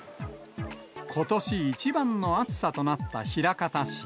ことし一番の暑さとなった枚方市。